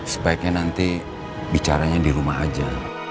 sebaiknya nanti bicaranya di rumah aja